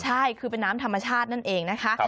ใช่คือเป็นน้ำธรรมชาตินั่นเองนะคะ